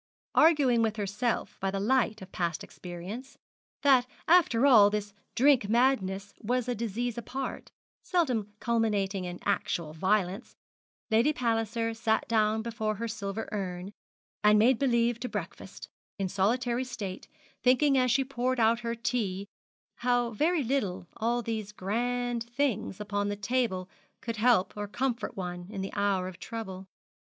Arguing with herself by the light of past experience, that after all this drink madness was a disease apart, seldom culminating in actual violence, Lady Palliser sat down before her silver urn, and made believe to breakfast, in solitary state, thinking as she poured out her tea how very little all these grand things upon the table could help or comfort one in the hour of trouble.